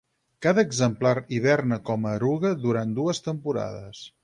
Cada exemplar hiberna com a eruga durant dues temporades.